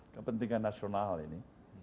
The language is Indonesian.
kepentingan nasional ini